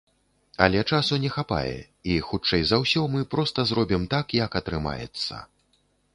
Але часу не хапае, і, хутчэй за ўсё, мы проста зробім так, як атрымаецца.